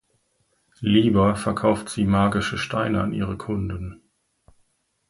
Lieber verkauft sie magische Steine an ihre Kunden.